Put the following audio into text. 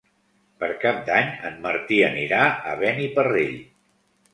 Per Cap d'Any en Martí anirà a Beniparrell.